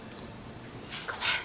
ごめん。